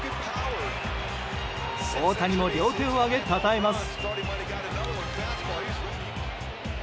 大谷も両手を上げ、たたえます。